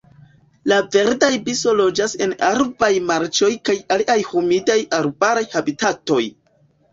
La Verda ibiso loĝas en arbaraj marĉoj kaj aliaj humidaj arbaraj habitatoj.